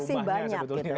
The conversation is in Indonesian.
masih banyak gitu